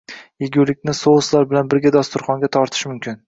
Yegulikni souslar bilan birga dasturxonga tortish mumkin